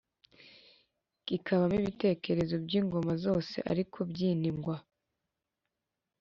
kikabamo ibitekerezo by’ingoma zose, ariko by’iningwa